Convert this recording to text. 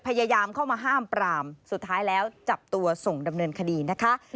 พยายามเข้ามาห้ามปรามสุดท้ายแล้วจับตัวส่งดำเนินคดีนะคะ